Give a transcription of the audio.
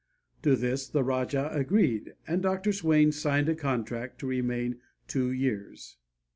To this the Rajah agreed, and Dr. Swain signed a contract to remain two years.